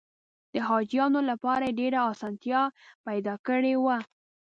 د حاجیانو لپاره یې ډېره اسانتیا پیدا کړې وه.